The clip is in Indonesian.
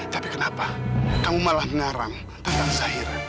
tapi kenapa kamu malah mengarang tentang zahira